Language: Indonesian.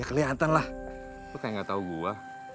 ya keliatan lah lu kayak nggak tau gua